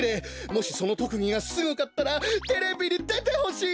もしそのとくぎがすごかったらテレビにでてほしい！